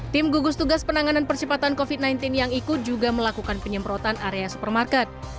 tim gugus tugas penanganan percepatan covid sembilan belas yang ikut juga melakukan penyemprotan area supermarket